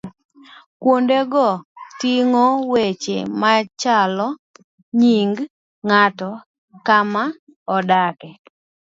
Kuondego ting'o weche machalo nyinge ng'ato, kama odakie